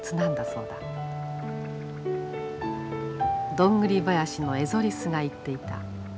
ドングリ林のエゾリスが言っていた。